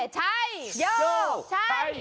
ใช่